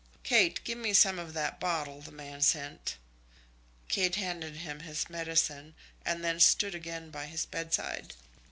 Kate, give me some of that bottle the man sent." Kate handed him his medicine, and then stood again by his bedside.